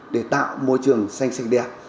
để tạo môi trường xanh xanh đẹp